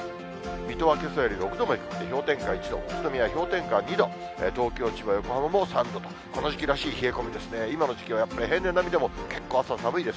水戸はけさより６度も低くて氷点下１度、宇都宮氷点下２度、東京、千葉、横浜も３度と、この時期らしい冷え込みですね、やっぱり平年並みでも結構朝、寒いです。